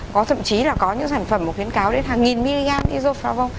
có thậm chí là có những sản phẩm khuyến cáo đến hàng nghìn mg isofarvon